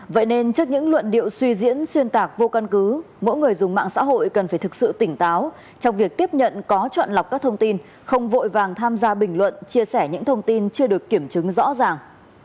vậy nên trước những luận điệu suy diễn xuyên tạc vô căn cứ mỗi người dùng mạng xã hội cần phải thực sự tỉnh táo trong việc tiếp nhận có chọn lọc các thông tin không vội vàng tham gia bình luận chia sẻ những thông tin chưa được kiểm chứng rõ ràng